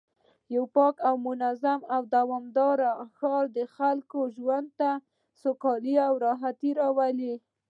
یو پاک، منظم او دوامدار ښار د خلکو ژوند ته سوکالي او راحت راوړي